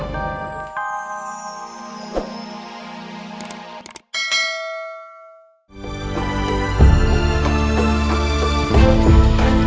aku akan mengingat pesan guru